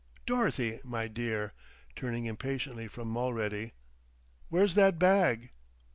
... Dorothy, my dear," turning impatiently from Mulready, "where's that bag?"